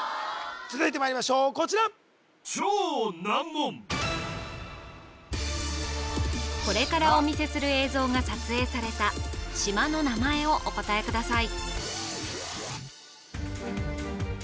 続いてまいりましょうこちらこれからお見せする映像が撮影された島の名前をお答えください